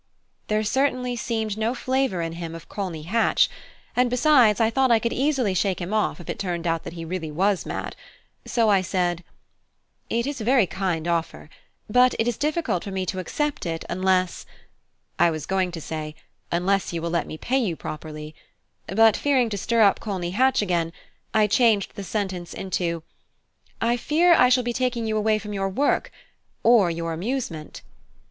There certainly seemed no flavour in him of Colney Hatch; and besides I thought I could easily shake him off if it turned out that he really was mad; so I said: "It is a very kind offer, but it is difficult for me to accept it, unless " I was going to say, Unless you will let me pay you properly; but fearing to stir up Colney Hatch again, I changed the sentence into, "I fear I shall be taking you away from your work or your amusement."